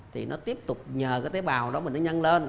thì nó tiếp tục nhờ cái tế bào đó mình nó nhân lên